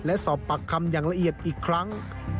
และสอบปากคำอย่างละเอียดอีกครั้ง